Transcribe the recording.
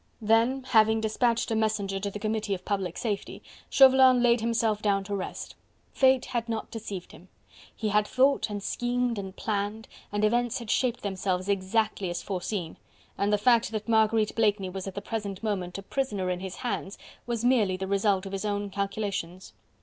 Then, having despatched a messenger to the Committee of Public Safety, Chauvelin laid himself down to rest. Fate had not deceived him. He had thought and schemed and planned, and events had shaped themselves exactly as foreseen, and the fact that Marguerite Blakeney was at the present moment a prisoner in his hands was merely the result of his own calculations.